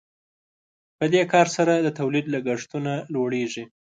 په دې کار سره د تولید لګښتونه لوړیږي.